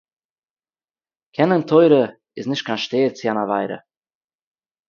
קענען תּורה איז ניט קיין שטער צו אַן עבֿירה.